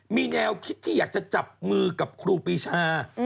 มีแนวคิดที่อยากจะจับมือกับครูปีชา